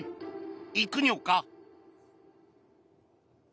いくニョか？